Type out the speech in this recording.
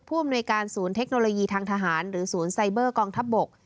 อำนวยการศูนย์เทคโนโลยีทางทหารหรือศูนย์ไซเบอร์กองทัพบก